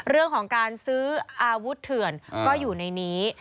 เรื่องของการซื้ออาวุธเถื่อนก็อยู่ในนี้